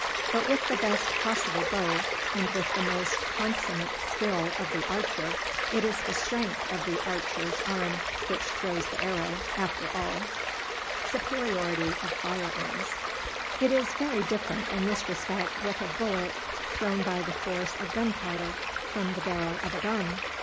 But with the best possible bow, and with the most consummate skill of the archer, it is the strength of the archer's arm which throws the arrow, after all. It is very different in this respect with a bullet thrown by the force of gunpowder from the barrel of a gun.